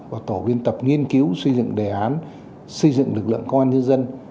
và tổ biên tập nghiên cứu xây dựng đề án xây dựng lực lượng công an nhân dân